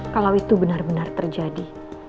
kalau itu benar benar terjadi